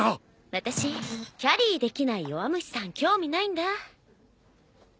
私キャリーできない弱虫さん興味ないんだ。